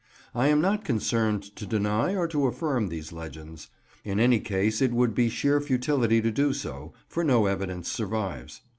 I am not concerned to deny or to affirm these legends. In any case, it would be sheer futility to do so, for no evidence survives.